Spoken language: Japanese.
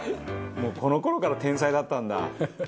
もうこの頃から天才だったんだ。